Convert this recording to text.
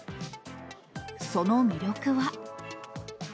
その魅力は。